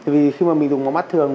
vì khi mà mình dùng bằng mắt thường